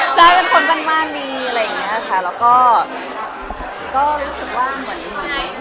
ใช่เป็นคนบ้านดีอะไรอย่างเงี้ยค่ะแล้วก็ก็รู้สึกว่าเหมือน